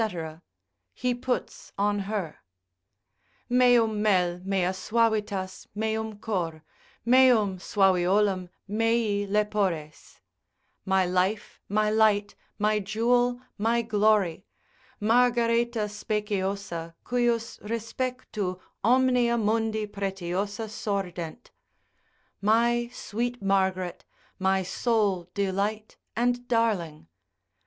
he puts on her. Meum mel, mea suavitas, meum cor, Meum suaviolum, mei lepores, my life, my light, my jewel, my glory, Margareta speciosa, cujus respectu omnia mundi pretiosa sordent, my sweet Margaret, my sole delight and darling.